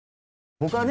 僕はね